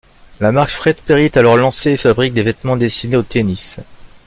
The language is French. La marque Fred Perry est alors lancée et fabrique des vêtements destinés au tennis.